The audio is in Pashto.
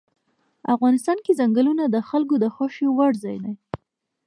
افغانستان کې ځنګلونه د خلکو د خوښې وړ ځای دی.